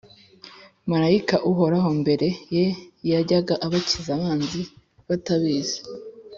Malayika uhora imbere ye yajyaga abakiza abanzi batabizi